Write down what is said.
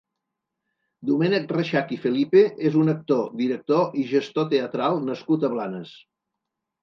Domènec Reixach i Felipe és un actor, director i gestor teatral nascut a Blanes.